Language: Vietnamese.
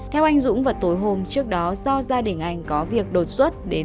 theo đó ngày một mươi tám tháng hai beg địch an vê